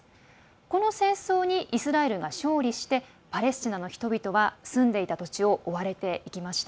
この戦争にイスラエルが勝利してパレスチナの人々は住んでいた土地を追われていきました。